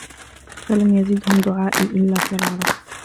فَلَمْ يَزِدْهُمْ دُعَائِي إِلَّا فِرَارًا